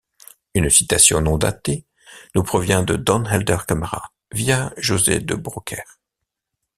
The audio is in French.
Une citation non datée nous provient de Don Helder Camara via José de Broucker.